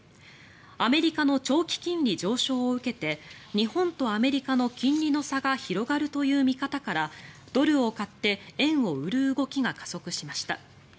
アメリカの長期金利上昇を受けて日本とアメリカの金利の差が広がるという見方からドルを買って円を売る動きが加速しました。